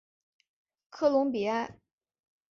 科隆比埃。